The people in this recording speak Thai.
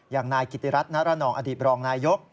อย่างนายกิติรัฐนรนองอดีตบรองนายก